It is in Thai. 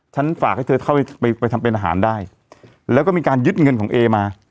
ฝากให้เธอเข้าไปไปทำเป็นอาหารได้แล้วก็มีการยึดเงินของเอมา